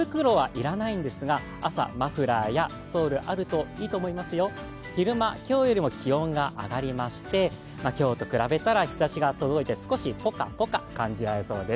手袋は要らないんですが、朝、マフラーやストールがあるといいと思いますよ、昼間、今日よりも気温が上がりまして、今日と比べたら日ざしが届いて、少しぽかぽか感じられそうです。